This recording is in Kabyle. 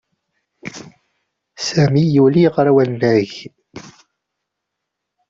Sami yuli ɣer wannag.